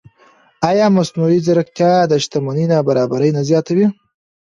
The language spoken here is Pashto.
ایا مصنوعي ځیرکتیا د شتمنۍ نابرابري نه زیاتوي؟